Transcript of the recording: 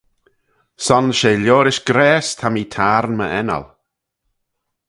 Son she liorish grayse ta mee tayrn my ennal.